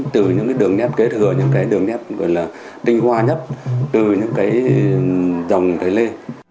từ những cái đường nét kế thừa những cái đường nét gọi là tinh hoa nhất từ những cái dòng thái lê